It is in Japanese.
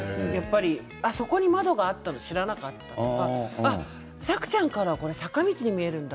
そこに窓があったのは知らなかったとかさくちゃんからは坂道に見えるんだ。